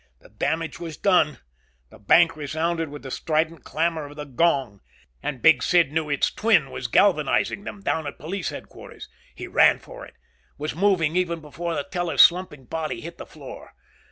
The damage was done. The bank resounded with the strident clamor of the gong. And Big Sid knew its twin was galvanizing them down at police headquarters. He ran for it. Was moving even before the teller's slumping body hit the floor.